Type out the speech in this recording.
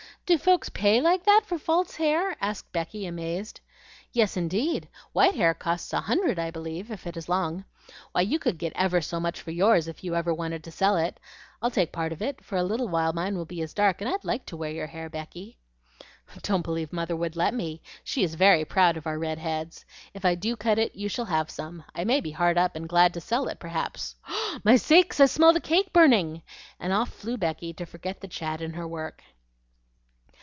do folks pay like that for false hair?" asked Becky, amazed. "Yes, indeed. White hair costs a hundred, I believe, if it is long. Why, you could get ever so much for yours if you ever wanted to sell it. I'll take part of it, for in a little while mine will be as dark, and I'd like to wear your hair, Becky." "Don't believe Mother would let me. She is very proud of our red heads. If I ever do cut it, you shall have some. I may be hard up and glad to sell it perhaps. My sakes! I smell the cake burning!" and off flew Becky to forget the chat in her work.